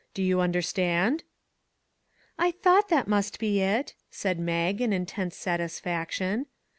Do you understand ?"" I thought that must be it !" said Mag in intense satisfaction.